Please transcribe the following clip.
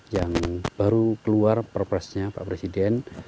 yang baru keluar perpresnya pak presiden